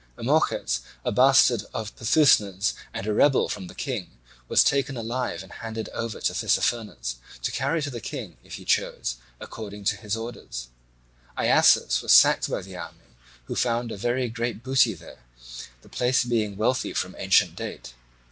Amorges, a bastard of Pissuthnes and a rebel from the King, was taken alive and handed over to Tissaphernes, to carry to the King, if he chose, according to his orders: Iasus was sacked by the army, who found a very great booty there, the place being wealthy from ancient date.